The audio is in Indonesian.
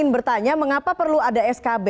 bertanya mengapa perlu ada skb